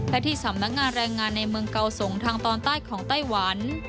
และที่สำนักงานแรงงานในเมืองเกาสงทางตอนใต้ของไต้หวัน